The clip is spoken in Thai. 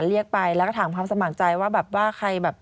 เรียกไปแล้วก็ถามความสมัครใจว่าแบบว่าใครแบบ